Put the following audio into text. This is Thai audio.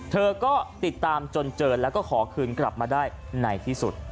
เธอก็ติดตามจนเจอแล้วก็ขอคืนกลับมาได้ในที่สุด